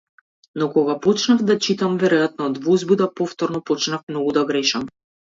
Но кога почнав да читам, веројатно од возбуда, повторно почнав многу да грешам.